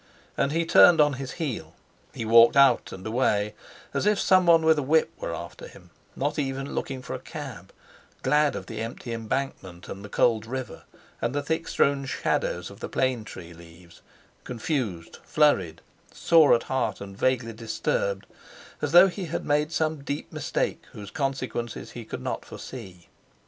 And he turned on his heel. He walked out and away, as if someone with a whip were after him, not even looking for a cab, glad of the empty Embankment and the cold river, and the thick strewn shadows of the plane tree leaves—confused, flurried, sore at heart, and vaguely disturbed, as though he had made some deep mistake whose consequences he could not foresee.